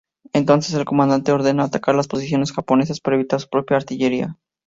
Entonces, el comandante ordena atacar las posiciones japonesas para evitar a su propia artillería.